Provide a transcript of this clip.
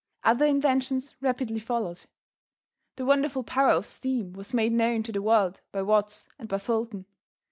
Other inventions rapidly followed. The wonderful power of steam was made known to the world by Watts and by Fulton.